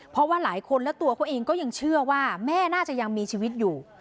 เพราะว่าหลายคนและตัวเขาเองก็ยังเชื่อว่าแม่น่าจะยังมีชีวิตอยู่